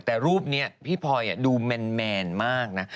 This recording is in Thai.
แต่รูปนี้พี่พลอยดูแมนมากนะ